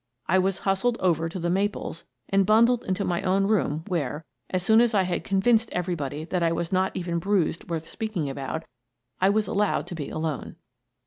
I was hustled over to " The Maples " and bundled into my own room where, as soon as I had convinced everybody that I was not even bruised worth speaking about, I was allowed to be alone.